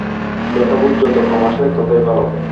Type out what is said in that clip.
দেহবোধ যত কম আসে ততই ভাল।